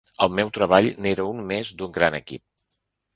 El meu treball n’era un més d’un gran equip.